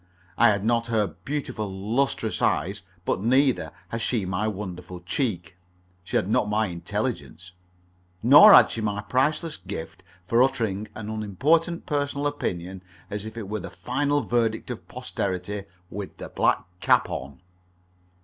I had not her beautiful lustrous eyes, but neither had she my wonderful cheek. She had not my intelligence. Nor had she my priceless gift for uttering an unimportant personal opinion as if it were the final verdict of posterity with the black cap on.